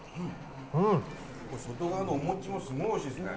外側のお餅もすごいおいしいですね。